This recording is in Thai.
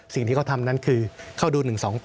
สิ่งที่เขาทำนั้นคือเข้าดู๑๒๘